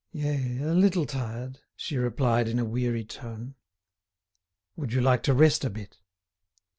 "Yea, a little tired," she replied in a weary tone. "Would you like to rest a bit?"